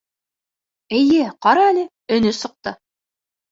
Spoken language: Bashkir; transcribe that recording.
Эйе, ҡара әле, өнө сыҡты.